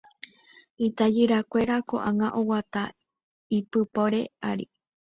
Itajyrakuéra ko'ág̃a oguata ipypore ári.